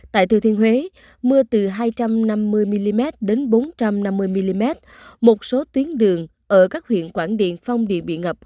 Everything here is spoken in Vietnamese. tại thư thiên huế mưa từ hai trăm năm mươi mm đến bốn trăm năm mươi mm một số tuyến đường ở các huyện quảng điện phong điện bị ngập hai ba m